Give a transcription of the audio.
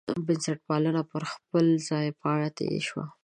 بنسټپالنه پر خپل ځای پاتې شوه.